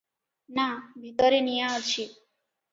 ନା, ଭିତରେ ନିଆଁ ଅଛି ।